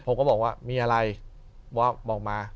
ผมก็บอกว่ามีอะไรบอกมา